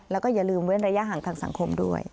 แล้วก็อย่าลืมเว้นระยะห่างทางสังคมด้วย